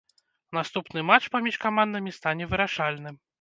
Наступны матч паміж камандамі стане вырашальным.